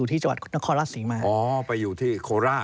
ที่จังหวัดนครราชศรีมาอ๋อไปอยู่ที่โคราช